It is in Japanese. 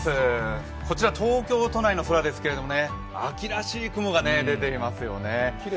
こちら東京都内の空ですけれども、秋らしい雲が出ていますよね。